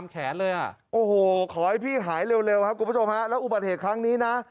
ขอให้พี่หายเร็วครับคุณผู้ชมฮะแล้วอุบัติเหตุครั้งนี้นะ